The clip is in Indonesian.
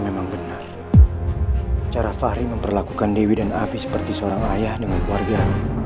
memang benar cara fahri memperlakukan dewi dan api seperti seorang ayah dengan keluarga